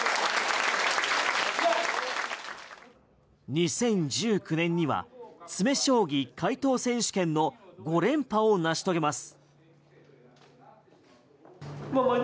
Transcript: ２０１９年には詰将棋解答選手権の５連覇を成し遂げます。